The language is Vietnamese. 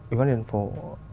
ủy ban nhân dân hồ chí minh